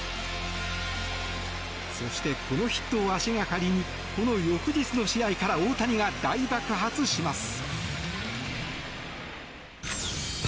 そして、このヒットを足掛かりにこの翌日の試合から大谷が大爆発します。